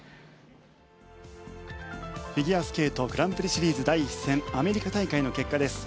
フィギュアスケートグランプリシリーズ第１戦アメリカ大会の結果です。